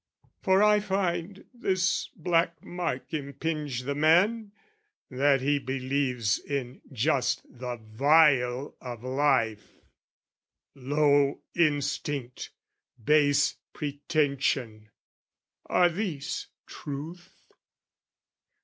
For I find this black mark impinge the man, That he believes in just the vile of life. Low instinct, base pretension, are these truth?